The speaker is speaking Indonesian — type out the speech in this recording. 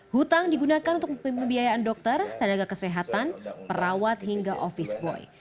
hutang digunakan untuk pembiayaan dokter tenaga kesehatan perawat hingga office boy